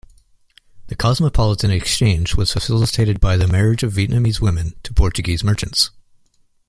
The cosmopolitan exchange was facilitated by the marriage of Vietnamese women to Portuguese merchants.